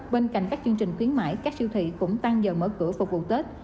bên cạnh các chương trình khuyến mãi các siêu thị cũng tăng giờ mở cửa phục vụ tết